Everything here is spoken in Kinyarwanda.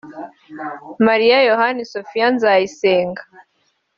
Mariya Yohana Sofiya Nzayisenga